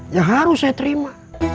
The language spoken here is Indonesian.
yang harus saya terima